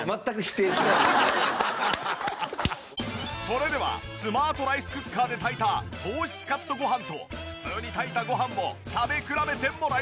それではスマートライスクッカーで炊いた糖質カットごはんと普通に炊いたごはんを食べ比べてもらいましょう！